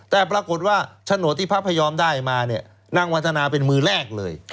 แต่ปรากฏว่าโฉนดที่พระพยอมได้มาเนี่ยนางวันธนาเป็นมือแรกเลย